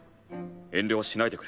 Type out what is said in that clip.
遠慮はしないでくれ。